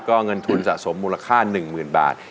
ก็เงินทุนสะสมมูลค่า๑๐๐๐บาท